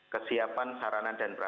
kesiapan saranan dan proses